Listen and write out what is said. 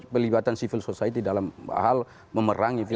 pelibatan civil society dalam hal memerangi